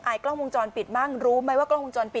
กล้องวงจรปิดบ้างรู้ไหมว่ากล้องวงจรปิด